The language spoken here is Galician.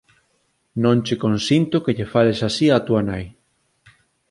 Non che consinto que lle fales así a túa nai.